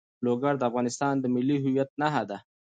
لوگر د افغانستان د ملي هویت نښه ده.